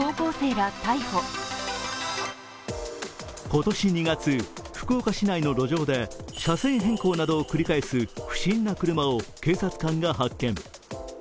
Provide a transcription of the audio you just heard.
今年２月、福岡市内の路上で車線変更などを繰り返す不審な車を警察官が発見。